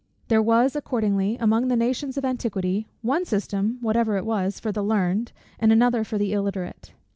There was accordingly, among the nations of antiquity, one system, whatever it was, for the learned, and another for the illiterate.